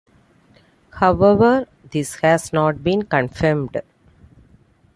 However, this has not been confirmed.